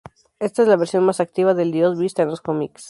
Esta es la versión más "activa" del Dios vista en los comics.